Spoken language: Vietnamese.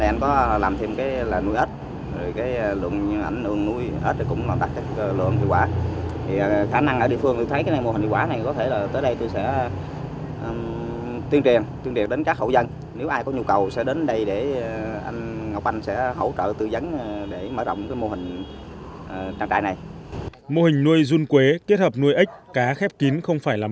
để làm được mô hình nuôi run quế kết hợp nuôi ếch cá khép kín không phải là mới